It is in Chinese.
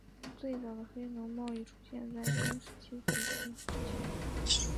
最早的黑奴贸易出现在中世纪及之前。